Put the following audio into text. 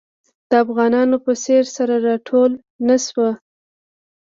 د افغانانو په څېر سره راټول نه شو.